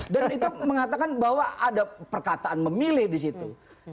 dan itu mengatakan bahwa ada perkataan memilih di situ